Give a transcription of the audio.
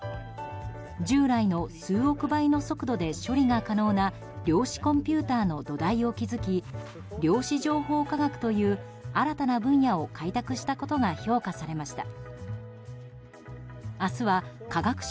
従来の数億倍の速度で処理が可能な量子コンピューターの土台を築き量子情報科学という新たな分野を開拓したことが評価されました。